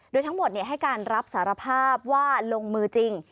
โดยทั้งหมดให้การรับสารภาพว่าลงมือจริง